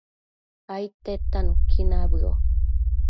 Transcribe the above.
aidtedta nuqui nabëo